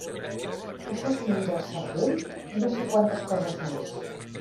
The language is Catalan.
Que això es menja el cervell i no sé quantes coses més.